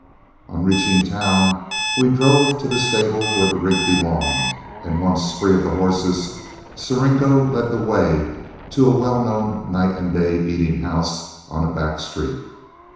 On reaching town, we drove to the stable where the rig belonged, and once free of the horses, Siringo led the way to a well known night and day eating house on a back street.